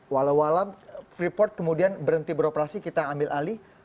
walau walau freeport kemudian berhenti beroperasi kita ambil alih